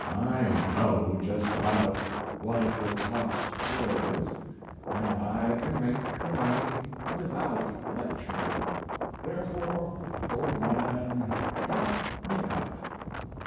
I know just about what it will cost to live, and I can make the money without lecturing. Therefore, old man, count me out.